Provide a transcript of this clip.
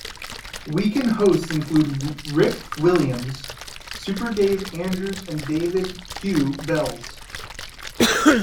Weekend hosts include Rick Williams, "Super Dave" Andrews and David "Q" Velez.